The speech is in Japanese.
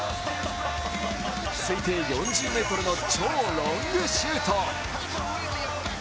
推定４０ｍの超ロングシュート。